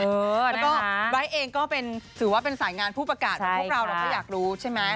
แล้วก็ไบท์เองก็ถือว่าเป็นสายงานผู้ประกาศพวกเราเราก็อยากรู้ใช่ไหม